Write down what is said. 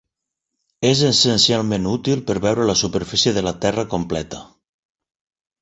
És essencialment útil per veure la superfície de la Terra completa.